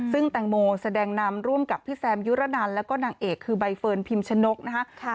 ซึ่งแตงโมแสดงนำร่วมกับพี่แซมยุรนันแล้วก็นางเอกคือใบเฟิร์นพิมชนกนะคะ